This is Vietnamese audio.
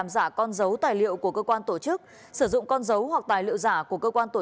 giả con dấu tài liệu của cơ quan tổ chức sử dụng con dấu hoặc tài liệu giả của cơ quan tổ